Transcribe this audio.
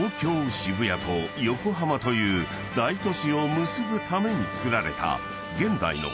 渋谷と横浜という大都市を結ぶためにつくられた］